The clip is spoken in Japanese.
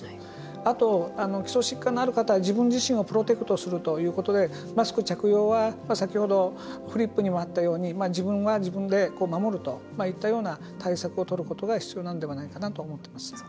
あと、基礎疾患のある方は自分自身をプロテクトするということでマスク着用は先ほどフリップにもあったように自分は自分で守るといったような対策を取ることが必要ではないかなと思っています。